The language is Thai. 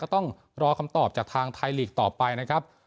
ต้องรอคำตอบจากทางไทยลีกต่อไปนะครับ